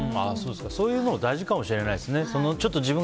そういうのが大事かもしれないですね。